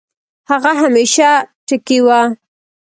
هغه همېشه ټکے وۀ